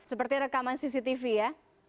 seperti rekaman cctv ya